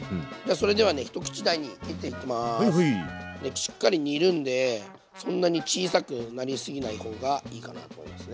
しっかり煮るんでそんなに小さくなりすぎない方がいいかなと思いますね。